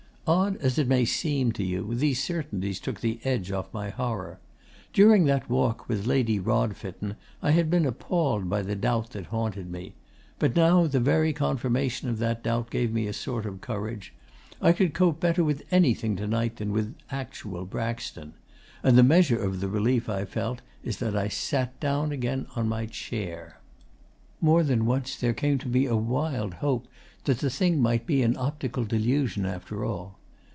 'Odd as it may seem to you, these certainties took the edge off my horror. During that walk with Lady Rodfitten, I had been appalled by the doubt that haunted me. But now the very confirmation of that doubt gave me a sort of courage: I could cope better with anything to night than with actual Braxton. And the measure of the relief I felt is that I sat down again on my chair. 'More than once there came to me a wild hope that the thing might be an optical delusion, after all.